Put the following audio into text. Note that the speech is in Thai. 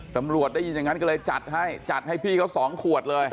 ได้ยินอย่างนั้นก็เลยจัดให้จัดให้พี่เขา๒ขวดเลย